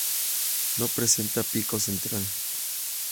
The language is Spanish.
No presenta pico central.